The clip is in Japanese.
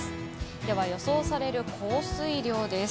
では予想される降水量です。